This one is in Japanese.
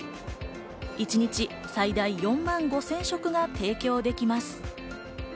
一日、最大４万５０００食が提供できます。